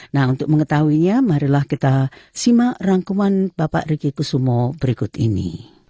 nah untuk mengetahuinya marilah kita simak rangkuman bapak riki kusumo berikut ini